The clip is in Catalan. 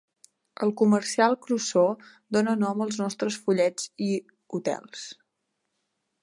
El comercial Crusoe dóna nom als nostres fullets i hotels.